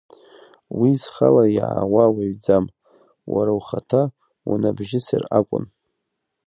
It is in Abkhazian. Уи зхала иаауа уаҩӡам, уара ухаҭа унабжьысыр акәын.